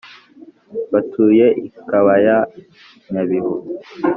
batuye i kabaya nyabihu